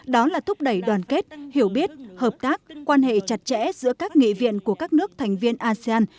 đó là thúc đẩy đoàn kết hiểu biết hợp tác quan hệ chặt chẽ giữa các nghị viện của các nước thành viên asean